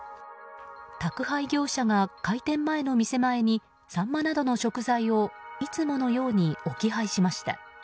宅配業者が開店前の店前にサンマなどの食材をいつものように置き配しました。